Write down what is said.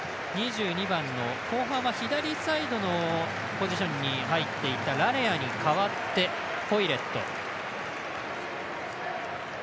２２番の後半は左サイドのポジションに入っていたラレアに代わってホイレット。